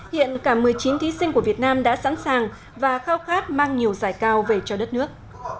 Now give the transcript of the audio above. hiện cả một mươi chín thí sinh của việt nam đã sẵn sàng và khao khát mang nhiều giải cao về cho đất nước